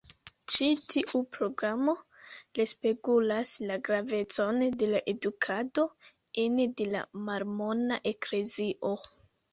Ĉi tiu programo respegulas la gravecon de la edukado ene de la Mormona Eklezio.